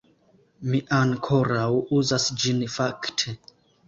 Mi ankoraŭ uzas ĝin fakte